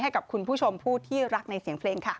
ให้กับคุณผู้ชมผู้ที่รักในเสียงเพลงค่ะ